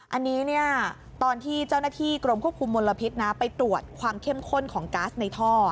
อันนี้ตอนที่เจ้าหน้าที่กรมควบคุมมลพิษไปตรวจความเข้มข้นของก๊าซในท่อ